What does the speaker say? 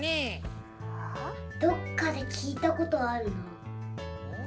どっかできいたことあるな。